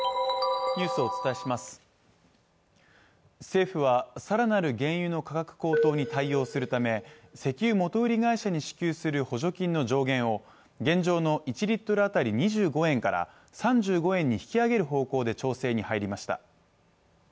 政府は、更なる原油の価格高騰に対応するため石油元売り会社に支給する補助金の上限を現状の１リットル当たり２５円から３５円に引き上げる方向で調整に入りました。